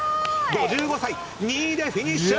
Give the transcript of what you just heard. ５５歳２位でフィニッシュ！